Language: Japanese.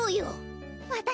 わたし